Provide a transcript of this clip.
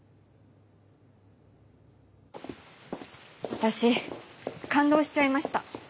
私感動しちゃいました。